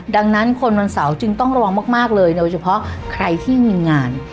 ดังนั้นคนวันเสาร์จึงต้องระวังมากเลยโดยเฉพาะใครที่มีงาน